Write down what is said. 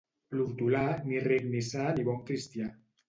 L'hortolà, ni ric ni sa ni bon cristià.